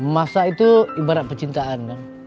masak itu ibarat percintaan